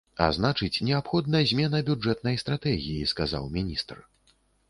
А значыць, неабходна змена бюджэтнай стратэгіі, сказаў міністр.